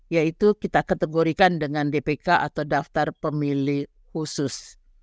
yaitu kita kategorikan dengan dpk atau daftar pemilih khusus